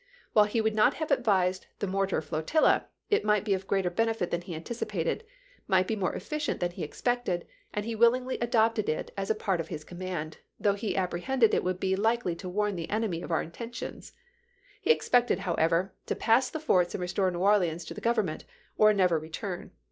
.. While he would not have advised the mortar flotilla, it might be of greater benefit than he anticipated, might be more efficient than he expected, and he willingly adopted it as a part of his command, though he apprehended it would be likely to warn the enemy of our inten tions. He expected, however, to pass the forts and restore New Orleans to the Oovernment, or never return.